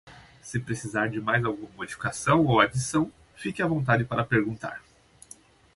Se precisar de mais alguma modificação ou adição, fique à vontade para perguntar!